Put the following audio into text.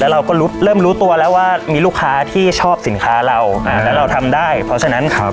เราก็รู้เริ่มรู้ตัวแล้วว่ามีลูกค้าที่ชอบสินค้าเราอ่าแล้วเราทำได้เพราะฉะนั้นครับ